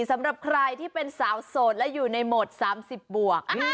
สำหรับใครที่เป็นสาวโสดและอยู่ในโหมด๓๐บวก